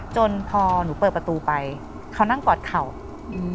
จนพอหนูเปิดประตูไปเขานั่งกอดเข่าอืม